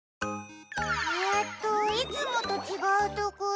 えっといつもとちがうところ。